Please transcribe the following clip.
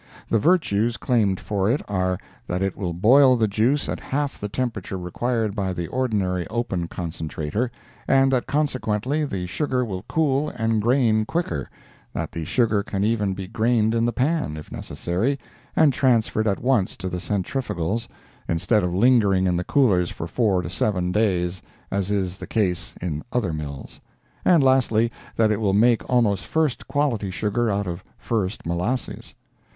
The virtues claimed for it are, that it will boil the juice at half the temperature required by the ordinary open "concentrator," and that consequently the sugar will cool and grain quicker, that the sugar can even be grained in the pan, if necessary, and transferred at once to the centrifugals, instead of lingering in the coolers from four to seven days as is the case in other mills; and lastly, that it will make almost first quality sugar out of first molasses.